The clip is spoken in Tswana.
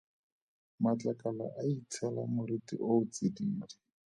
Matlakala a itshela moriti o o tsididi.